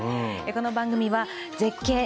この番組は「絶景！